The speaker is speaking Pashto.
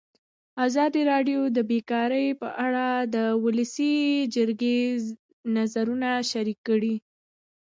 ازادي راډیو د بیکاري په اړه د ولسي جرګې نظرونه شریک کړي.